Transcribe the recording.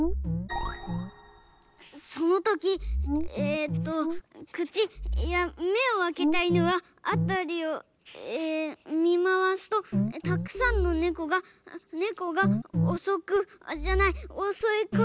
「そのときえっとくちいやめをあけたいぬはあたりをえみまわすとたくさんのねこがねこがおそくじゃないおそいかかろうと」。